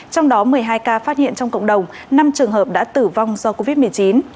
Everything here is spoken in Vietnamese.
trong đó một mươi hai ca phát hiện trong cộng đồng năm trường hợp đã tử vong do covid một mươi chín